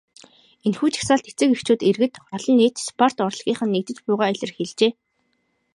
Энэхүү жагсаалд эцэг эхчүүд, иргэд олон нийт, спорт, урлагийнхан нэгдэж буйгаа илэрхийлжээ.